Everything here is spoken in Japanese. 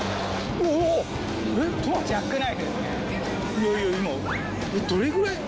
いやいや今どれぐらい？